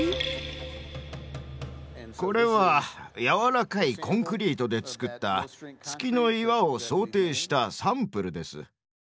これは軟らかいコンクリートで作った月の岩を想定したサンプルです。